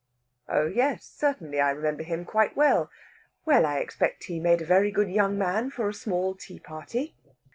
"Oh yes, certainly. I remember him quite well. Well, I expect he made a very good young man for a small tea party."